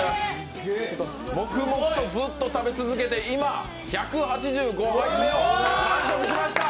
黙々とずっと食べ続けて今１８５杯目を完食しました。